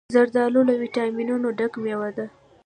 زردالو له ویټامینونو ډکه مېوه ده.